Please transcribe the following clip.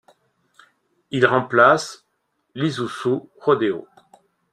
Il remplace l'Isuzu Rodeo.